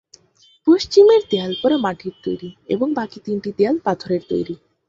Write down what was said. পশ্চিমের দেয়াল পোড়া মাটির তৈরি এবং বাকি তিনটি দেয়াল পাথরের তৈরি।